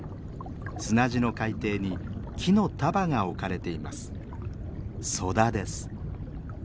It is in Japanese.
砂地の海底に木の束が置かれています。